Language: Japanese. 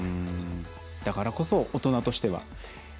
だからこそ、大人としては。